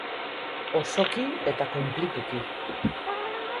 osoki eta konplituki